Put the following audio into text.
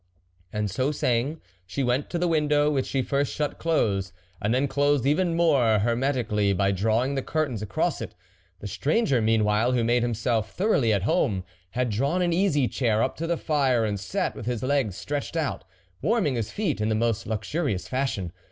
And so saying she went to the window, which she first shut close, and then closed even more hermetically by drawing the curtains across it. The stranger meanwhile, who made himself thoroughly at home, had drawn an easy chair up to the fire, and sat with his legs stretched out, warming his feet in the most luxurious fashion.